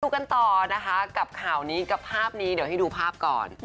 กันต่อนะคะกับข่าวนี้กับภาพนี้เดี๋ยวให้ดูภาพก่อน